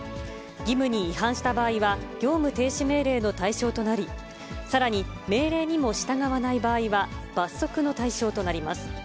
義務に違反した場合は、業務停止命令の対象となり、さらに命令にも従わない場合は、罰則の対象となります。